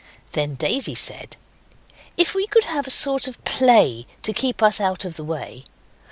Then Daisy said 'If we could have a sort of play to keep us out of the way.